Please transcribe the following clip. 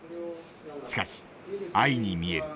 しかしＩに見える。